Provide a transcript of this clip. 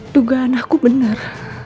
dugaan aku bener